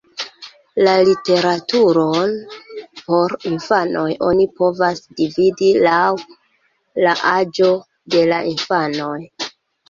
La literaturon por infanoj oni povas dividi laŭ la aĝo de la infanoj.